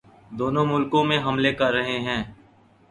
دونوں ملکوں میں حملے کررہے ہیں